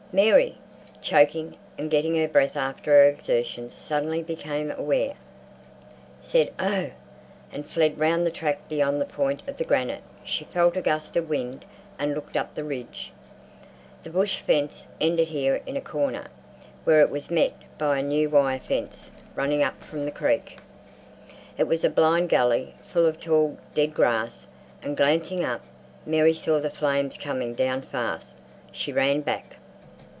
Mary, choking and getting her breath after her exertions, suddenly became aware, said "Oh!" and fled round the track beyond the point of granite. She felt a gust of wind and looked up the ridge. The bush fence ended here in a corner, where it was met by a new wire fence running up from the creek. It was a blind gully full of tall dead grass, and, glancing up, Mary saw the flames coming down fast. She ran back.